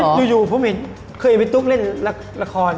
เพราะชีวิตอยู่ผมเห็นเคยไปตุ๊กเล่นละคร